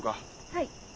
はい。